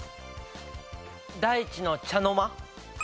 大地の茶の間。